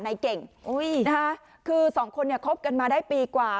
นายเก่งคือสองคนเนี่ยคบกันมาได้ปีกว่า